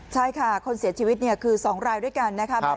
ใช่ค่ะคนเสียชีวิตคือ๒รายด้วยกันนะครับ